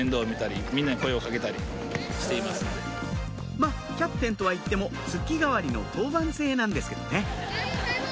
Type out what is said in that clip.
まぁキャプテンとは言っても月替わりの当番制なんですけどね